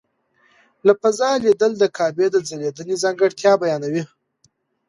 له فضا لیدل د کعبې د ځلېدنې ځانګړتیا بیانوي.